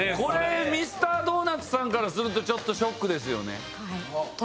ミスタードーナツさんからするとショックですよね。